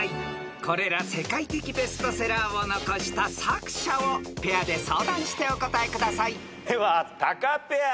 ［これら世界的ベストセラーを残した作者をペアで相談してお答えください］ではタカペア。